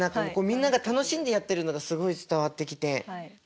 みんなが楽しんでやってるのがすごい伝わってきて。